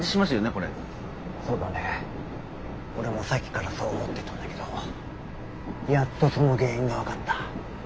俺もさっきからそう思ってたんだけどやっとその原因が分かった。